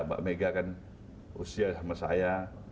mbak mega kan usia sama saya